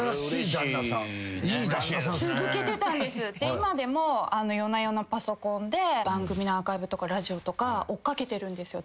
今でも夜な夜なパソコンで番組のアーカイブとかラジオとか追っ掛けてるんですよ。